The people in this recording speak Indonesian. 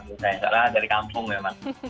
iya mak saya salah dari kampung ya mas